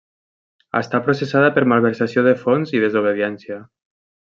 Està processada per malversació de fons i desobediència.